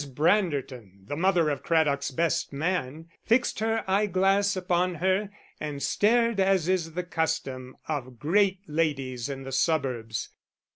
Branderton, the mother of Craddock's best man, fixed her eye glass upon her and stared as is the custom of great ladies in the suburbs.